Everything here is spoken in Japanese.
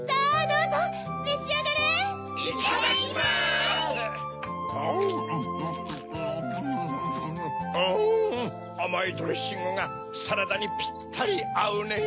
うんあまいドレッシングがサラダにぴったりあうねぇ。